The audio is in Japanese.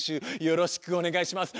よろしくお願いします。